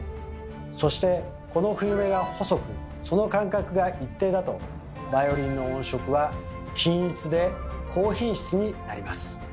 そしてこの冬目が細くその間隔が一定だとバイオリンの音色は均一で高品質になります。